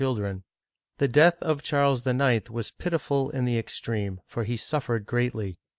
children. The death of Charles IX. was pitiful in the extreme, for he suffered greatly.